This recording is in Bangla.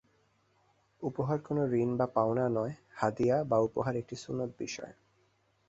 উপহার কোনো ঋণ বা পাওনা নয়হাদিয়া বা উপহার একটি সুন্নত বিষয়।